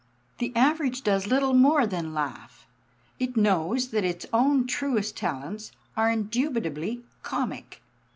The Average does little more than laugh. It knows that its own truest talents are indubitably comic.